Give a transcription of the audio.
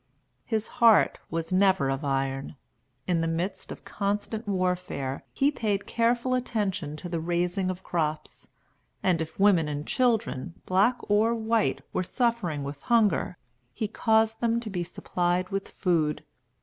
His heart was never of iron. In the midst of constant warfare he paid careful attention to the raising of crops; and if women and children, black or white, were suffering with hunger, he caused them to be supplied with food.